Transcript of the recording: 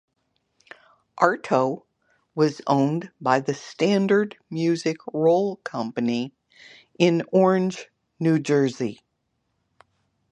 Arto was owned by the Standard Music Roll Company in Orange, New Jersey.